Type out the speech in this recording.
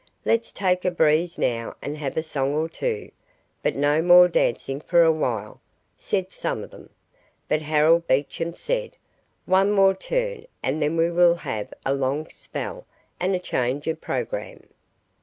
"Let's take a breeze now and have a song or two, but no more dancing for a while," said some of them; but Harold Beecham said, "One more turn, and then we will have a long spell and a change of programme."